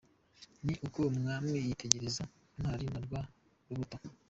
Ni uko umwami yitegereza Ntwari na rwa rubuto.